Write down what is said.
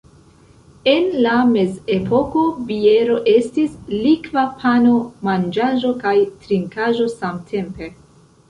En la mezepoko biero estis likva pano: manĝaĵo kaj trinkaĵo samtempe.